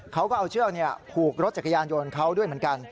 เขาก็เอาเชือกผูกรถจักรยานยนต์เขาด้วยเหมือนกัน